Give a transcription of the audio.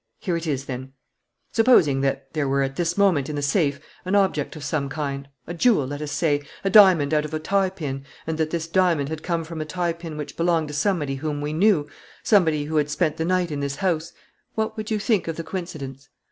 "Here it is, then: Supposing that there were at this moment in the safe an object of some kind, a jewel, let us say, a diamond out of a tie pin, and that this diamond had come from a tie pin which belonged to somebody whom we knew, somebody who had spent the night in this house, what would you think of the coincidence?"